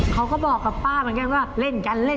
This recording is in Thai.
เขาก็บอกกับป้ามันแค่ว่าเล่นกันเล่นกัน